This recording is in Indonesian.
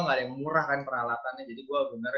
gak ada yang murah kan peralatannya jadi gue bener